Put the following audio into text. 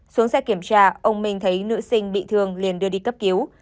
xuống xe kiểm tra ông minh thấy nữ sinh bị thương liền đưa đi cấp cứu